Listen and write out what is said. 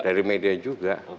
dari media juga